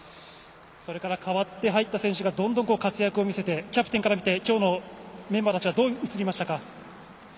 代わって入った選手がどんどん活躍を見せてキャプテンから見て今日のメンバーたちはどう映りましたか。